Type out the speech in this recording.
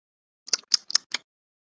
منہ سے رس ٹپکتا ہے